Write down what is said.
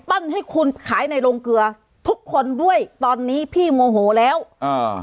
ให้คุณขายในโรงเกลือทุกคนด้วยตอนนี้พี่โมโหแล้วอ่า